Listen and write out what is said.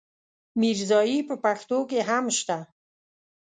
ميرزايي په پښتو کې هم شته.